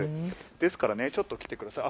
ですからね、ちょっと来てください。